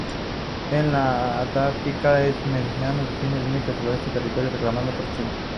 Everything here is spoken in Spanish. En la Antártica, este meridiano define el límite oeste del territorio reclamado por Chile.